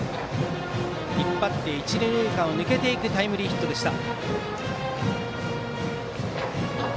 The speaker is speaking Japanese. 引っ張って一、二塁間を抜けていくタイムリーヒットでした。